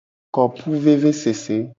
Kopuvevesese.